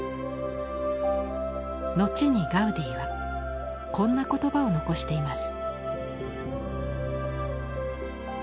後にガウディはこんな言葉を残しています。